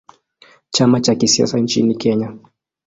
Chama cha kisiasa nchini Kenya.